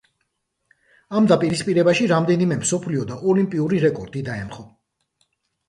ამ დაპირისპირებაში რამდენიმე მსოფლიო და ოლიმპიური რეკორდი დაემხო.